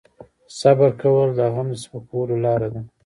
صبر کول د غم د سپکولو لاره ده.